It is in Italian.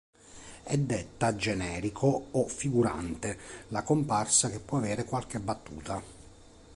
È detta generico o figurante la comparsa che può avere qualche battuta.